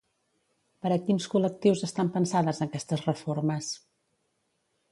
Per a quins col·lectius estan pensades aquestes reformes?